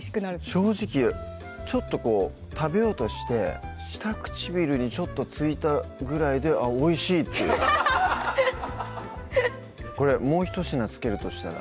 正直ちょっとこう食べようとして下唇にちょっと付いたぐらいで「あっおいしい」っていうこれもうひと品つけるとしたら？